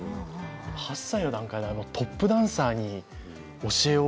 ８歳の段階でトップダンサーに教えを